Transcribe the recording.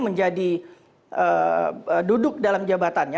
menjadi duduk dalam jabatannya